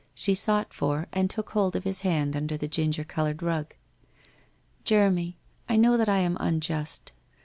She sought for, and took hold of his hand under the ginger coloured rug. ' Jeremy, I know that I am unjust.